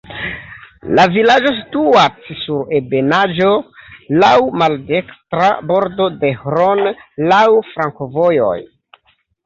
La vilaĝo situas sur ebenaĵo, laŭ maldekstra bordo de Hron, laŭ flankovojoj.